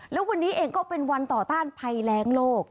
แล้ววันนี้เองก็เป็นวันต่อต้านภัยแรงโลก